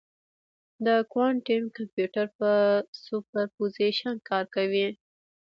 د کوانټم کمپیوټر په سوپرپوزیشن کار کوي.